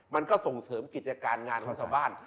มันก็ส่งเสริมกิจการงานของชาวบ้าน